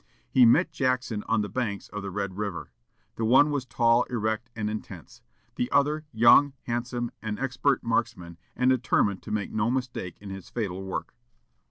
He met Jackson on the banks of the Red River. The one was tall, erect, and intense; the other young, handsome, an expert marksman, and determined to make no mistake in his fatal work.